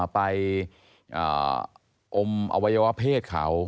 ไปอมอวัยวะเพศเขา